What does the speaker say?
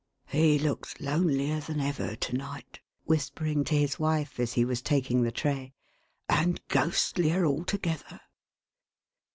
— He looks lonelier than ever to night," whispering to his wife, as he was taking the tray, "and ghostlier altogether.